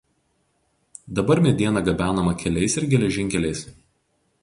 Dabar mediena gabenama keliais ir geležinkeliais.